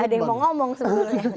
gak ada yang mau ngomong sebenarnya